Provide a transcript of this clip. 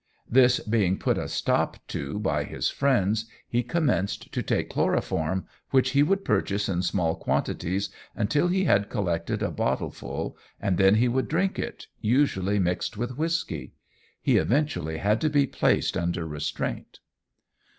This being put a stop to by his friends, he commenced to take chloroform, which he would purchase in small quantities until he had collected a bottleful, and then he would drink it, usually mixed with whisky. He eventually had to be placed under restraint.